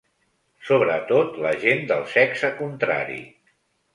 Sobretot la gent del sexe contrari.